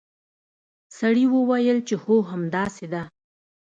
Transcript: سړي وویل چې هو همداسې ده.